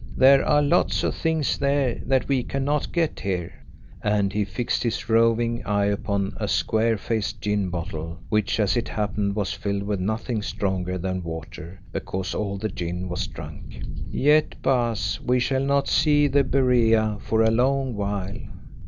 There are lots of things there that we cannot get here," and he fixed his roving eye upon a square faced gin bottle, which as it happened was filled with nothing stronger than water, because all the gin was drunk. "Yet, Baas, we shall not see the Berea for a long while."